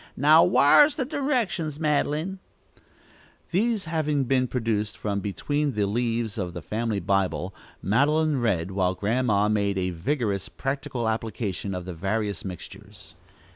"Now whar's the directions, Madeline?" These having been produced from between the leaves of the family Bible, Madeline read, while Grandma made a vigorous practical application of the various mixtures.